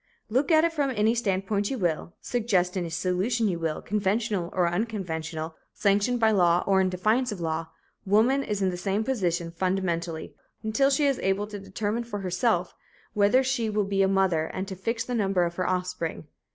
Look at it from any standpoint you will, suggest any solution you will, conventional or unconventional, sanctioned by law or in defiance of law, woman is in the same position, fundamentally, until she is able to determine for herself whether she will be a mother and to fix the number of her offspring.